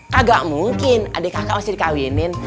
kagak mungkin adik kakak masih dikawinin